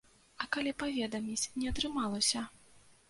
А калі паведаміць не атрымалася?